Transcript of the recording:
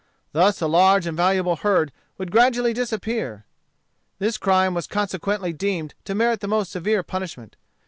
Thus a large and valuable herd would gradually disappear. This crime was consequently deemed to merit the most severe punishment.